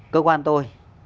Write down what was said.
cơ quan tôi